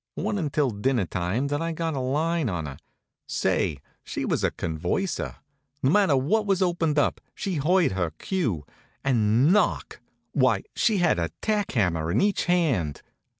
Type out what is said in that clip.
It wa'n't until dinner time that I got a line on her. Say, she was a converser. No matter what was opened up, she heard her cue. And knock! Why, she had a tack hammer in each hand.